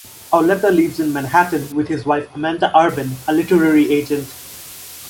Auletta lives in Manhattan with his wife Amanda Urban, a literary agent.